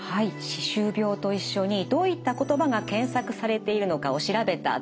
歯周病と一緒にどういった言葉が検索されているのかを調べた図になります。